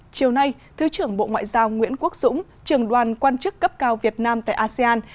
chiều nay thứ trưởng bộ ngoại giao nguyễn quốc dũng trường đoàn quan chức cấp cao việt nam tại asean